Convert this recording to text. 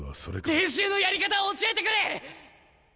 練習のやり方を教えてくれ！